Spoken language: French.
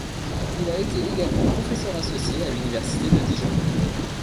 Il a été également professeur associé à l’Université de Dijon.